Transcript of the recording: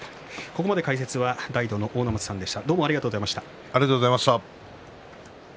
ここまで解説は大道の阿武松さんでした。